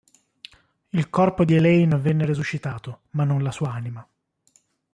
Il corpo di Elaine venne resuscitato, Ma non la sua anima.